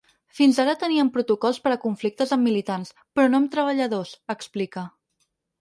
Fins ara teníem protocols per a conflictes amb militants, però no amb treballadors, explica.